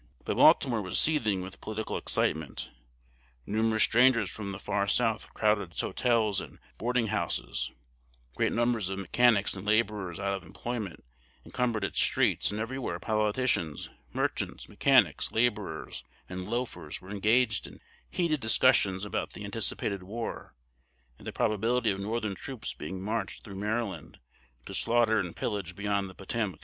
But Baltimore was seething with political excitement; numerous strangers from the far South crowded its hotels and boarding houses; great numbers of mechanics and laborers out of employment encumbered its streets; and everywhere politicians, merchants, mechanics, laborers, and loafers were engaged in heated discussions about the anticipated war, and the probability of Northern troops being marched through Maryland to slaughter and pillage beyond the Potomac.